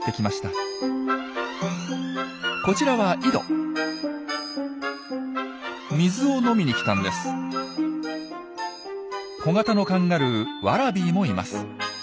小型のカンガルーワラビーもいます。